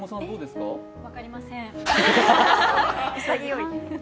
分かりません。